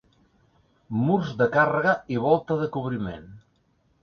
Murs de càrrega i volta de cobriment.